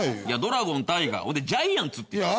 いやドラゴンタイガーそれでジャイアンツって。